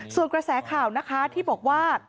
ส่วนกระแสข่าวนะคะที่บอกว่า